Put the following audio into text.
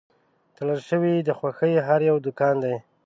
تړل شوی د خوښۍ هر یو دوکان دی